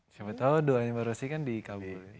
siapa tahu doanya mbak rosy kan di kb